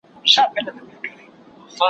له بارانه ولاړی، ناوې ته کښېنستی.